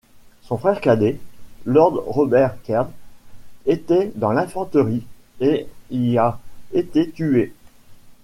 Son frère cadet, Lord Robert Kerr, était dans l'infanterie et y a été tué.